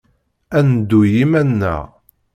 Ad neddu i yiman-nneɣ.